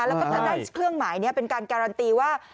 แล้วก็จะได้เครื่องหมายนี้เป็นการการันตีว่า